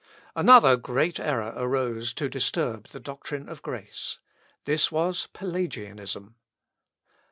Another great error arose to disturb the doctrine of grace. This was Pelagianism.